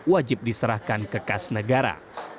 wajib diserahkan kekas negara